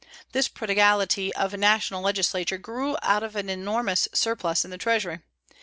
This prodigality of the National Legislature grew out of an enormous surplus in the Treasury.